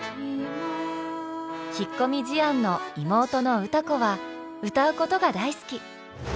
引っ込み思案の妹の歌子は歌うことが大好き。